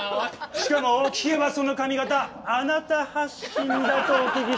しかも聞けばその髪形あなた発信だとお聞きしております。